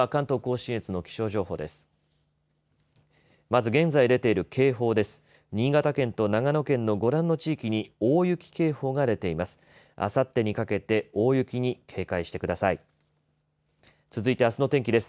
新潟県と長野県の、ご覧の地域に大雪警報が出ています。